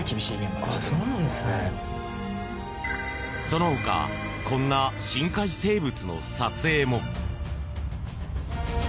その他こんな深海生物の撮影も。